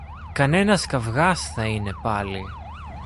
Κανένας καβγάς θα είναι πάλι